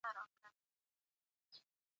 • ثانیې د ارزښت وړ دي.